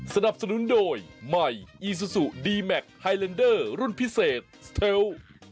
สนับสนุนโดยใหม่อีซูซูดีแมคไฮเลนเดอร์รุ่นพิเศษสเทล